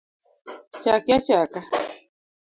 Chaki achaka